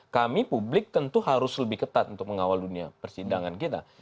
kami publik tentu harus lebih ketat untuk mengawal dunia persidangan kita